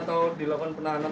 kita ambil yang utamanya dulu